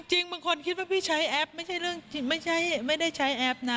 จริงบางคนคิดว่าพี่ใช้แอปไม่ได้ใช้แอปนะ